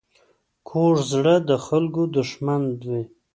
کوږ زړه د خلکو دښمن وي